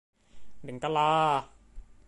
Đừng có lo